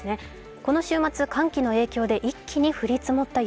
この週末、寒気の影響で一気に降り積もった雪。